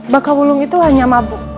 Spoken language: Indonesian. baka wulung itu hanya mabuk